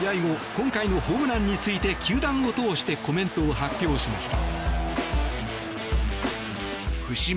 今回のホームランについて球団を通してコメントを発表しました。